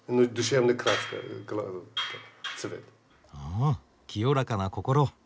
あ清らかな心。